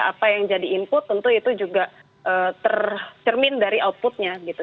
apa yang jadi input tentu itu juga tercermin dari outputnya gitu